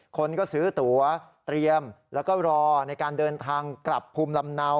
คนก็ซื้อตัวเตรียมแล้วก็รอในการเดินทางกลับภูมิลำเนา